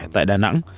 tại đà nẵng